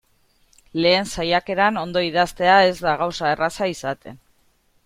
Lehen saiakeran ondo idaztea ez da gauza erraza izaten.